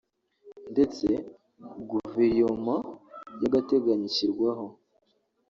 ndetse guverioma y’agateganyo ishyirwaho